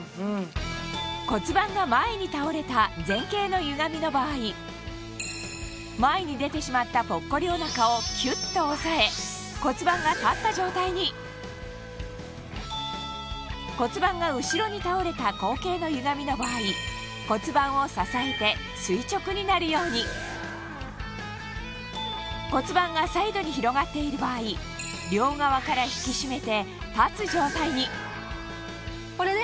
骨盤が前に倒れたの場合前に出てしまったぽっこりおなかをキュっと抑え骨盤が立った状態に骨盤が後ろに倒れたの場合骨盤を支えて垂直になるように骨盤がサイドに広がっている場合両側から引き締めて立つ状態にこれで。